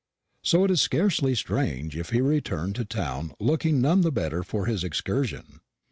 So it is scarcely strange if he returned to town looking none the better for his excursion.